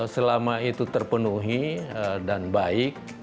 selama itu terpenuhi dan baik